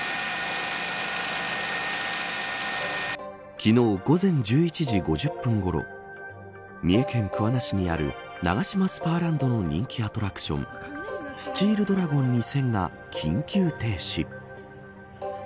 昨日、午前１１時５０分ごろ三重県桑名市にあるナガシマスパーランドの人気アトラクションスチールドラゴン２０００が緊急停止。